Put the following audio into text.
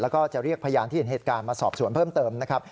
แล้วก็จะเรียกพยานที่เห็นเหตุการณ์มาสอบสวนเพิ่มเติมนะครับ